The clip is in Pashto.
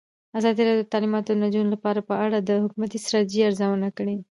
ازادي راډیو د تعلیمات د نجونو لپاره په اړه د حکومتي ستراتیژۍ ارزونه کړې.